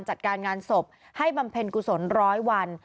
จัดการงานศพให้บำเพ็ญกุศลร้อยวัน